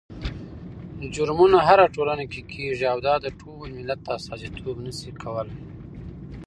جرمونه هره ټولنه کې کېږي او دا د ټول ملت استازيتوب نه شي کولی.